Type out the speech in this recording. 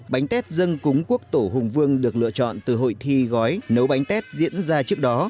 bánh tết dân cúng quốc tổ hùng vương được lựa chọn từ hội thi gói nấu bánh tết diễn ra trước đó